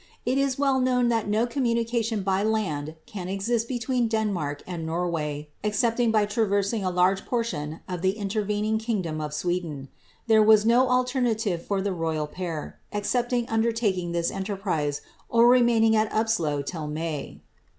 It is well known that no communication by land can exist between Denmark and Norway, excepting by traversing a large portion of the intervening kingdom of Sweden. There was no alterna tive for the royal pair, excepting undertaking this enterprise, or remain ing at Upslo till May.